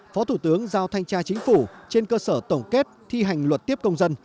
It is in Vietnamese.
phó thủ tướng giao thanh tra chính phủ trên cơ sở tổng kết thi hành luật tiếp công dân